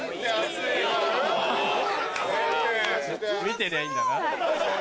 見てりゃいいんだな。